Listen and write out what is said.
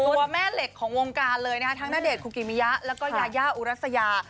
ตัวแม่เหล็กของวงการเลยนะคะทั้งณเดชนคุกิมิยะแล้วก็ยายาอุรัสยา